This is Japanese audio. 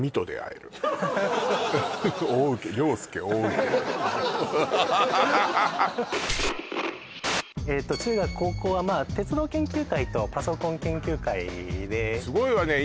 えーっと中学高校はまあ鉄道研究会とパソコン研究会ですごいわね